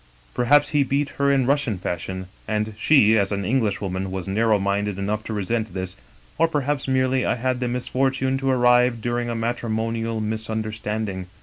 " Perhaps he beat her in Russian fashion^ and she, as an Englishwoman, was narrow minded enough to resent this; or perhaps, merely, I had the misfortune to arrive during a matrimonial misunderstanding.